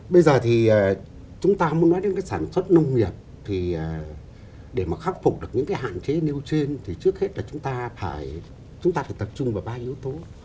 bây giờ thì chúng ta muốn nói đến cái sản xuất nông nghiệp thì để mà khắc phục được những cái hạn chế nêu trên thì trước hết là chúng ta phải tập trung vào ba yếu tố